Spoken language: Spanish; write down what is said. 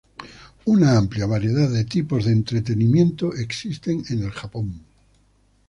Una amplia variedad de tipos de entretenimiento existen en Japón.